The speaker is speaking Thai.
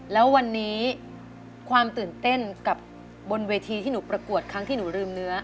แล้ววันนี้ความตื่นเต้นกับบนเวทีที่หนูประกวดครั้งที่หนูลืมเนื้อ